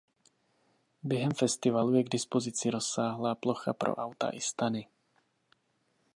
Během festivalu je k dispozici rozsáhlá plocha pro auta i stany.